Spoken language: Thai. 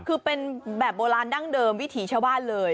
คือเป็นแบบโบราณดั้งเดิมวิถีชาวบ้านเลย